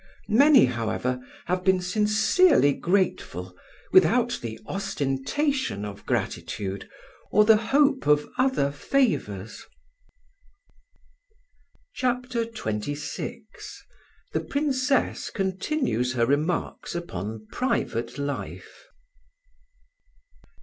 Many, however, have been sincerely grateful without the ostentation of gratitude or the hope of other favours." CHAPTER XXVI THE PRINCESS CONTINUES HER REMARKS UPON PRIVATE LIFE.